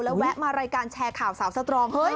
แล้วแวะมารายการแชร์ข่าวสาวสตรองเฮ้ย